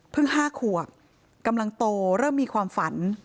๕ขวบกำลังโตเริ่มมีความฝัน